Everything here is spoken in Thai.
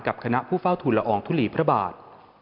คณะผู้เฝ้าทุนละอองทุลีพระบาท